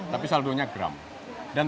tapi saldonya gram dan